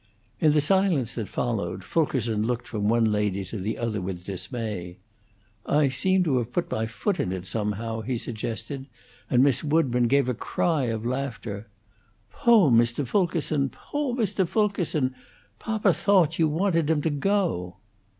In the silence that followed, Fulkerson looked from one lady to the other with dismay. "I seem to have put my foot in it, somehow," he suggested, and Miss Woodburn gave a cry of laughter. "Poo' Mr. Fulkerson! Poo' Mr. Fulkerson! Papa thoat you wanted him to go."